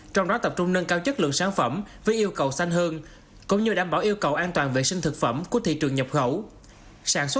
trong đó tập trung nâng cao chất lượng sản phẩm với yêu cầu xanh hơn cũng như đảm bảo yêu cầu an toàn vệ sinh thực phẩm của thị trường nhập khẩu